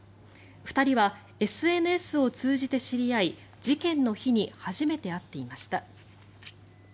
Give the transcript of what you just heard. ２人はＳＮＳを通じて知り合い事件の日に初めて会っていました。